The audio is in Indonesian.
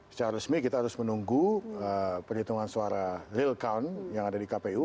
secara resmi kita harus menunggu perhitungan suara real count yang ada di kpu